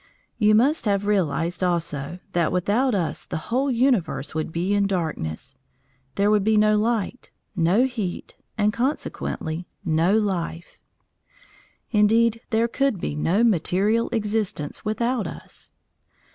You must have realised also that without us the whole universe would be in darkness. There would be no light, no heat, and consequently no life. Indeed, there could be no material existence without us.